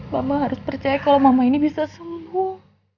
mama harus percaya kalau mama ini bisa sembuh